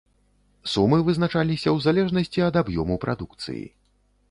Сумы вызначаліся ў залежнасці ад аб'ёму прадукцыі.